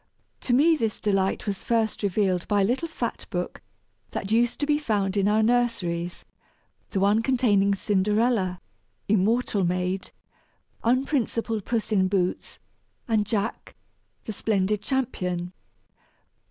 To me this delight was first revealed by a little fat book that used to be found in our nurseries the one containing Cinderella, immortal maid unprincipled Puss in Boots and Jack, the splendid champion!